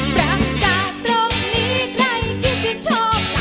ประกาศตรงนี้ใครคิดจะชอบ